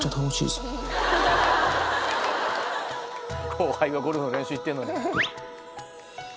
後輩はゴルフの練習行ってんのに。